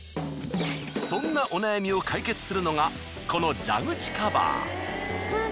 そんなお悩みを解決するのがこの蛇口カバー。